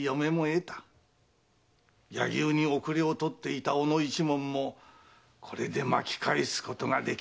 柳生に後れを取っていた小野一門もこれで巻き返すことができよう。